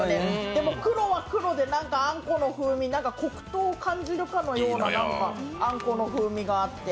でも、黒は黒で、あんこの風味黒糖を感じるかのようなあんこの風味があって。